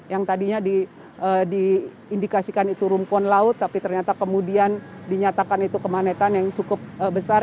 yang tadinya diindikasikan itu rumpun laut tapi ternyata kemudian dinyatakan itu kemah netan yang cukup kuat